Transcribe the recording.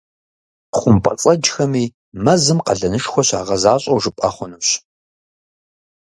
ХъумпӀэцӀэджхэми мэзым къалэнышхуэ щагъэзащӏэу жыпӏэ хъунущ.